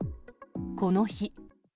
この日。